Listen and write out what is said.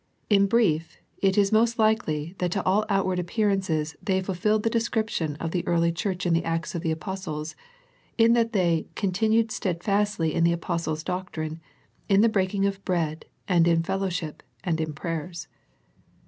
In brief, it is most likely that to all outward appearances they fulfilled the description of the early Church in the Acts of the Apostles, in that they " continued stedf astly in the apostles' doc trine, in the breaking of bread, and in fel lowship, and in prayers."